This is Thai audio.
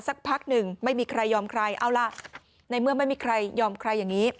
สักพักหนึ่งไม่มีใครยอมใครเอาล่ะในเมื่อไม่มีใครยอมใครอย่างนี้